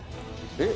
えっ？